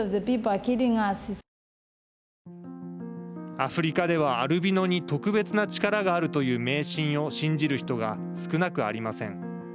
アフリカではアルビノに特別な力があるという迷信を信じる人が少なくありません。